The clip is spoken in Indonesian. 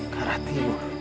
ke arah timur